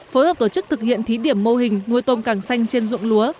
phối hợp tổ chức thực hiện thí điểm mô hình nuôi tôm càng xanh trên dụng lúa